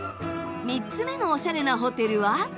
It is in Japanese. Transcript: ３つ目のオシャレなホテルは。